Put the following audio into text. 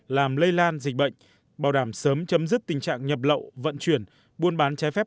làm lây lan dịch bệnh bảo đảm sớm chấm dứt tình trạng nhập lậu vận chuyển buôn bán trái phép